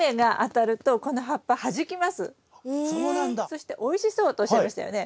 そしておいしそうとおっしゃいましたよね？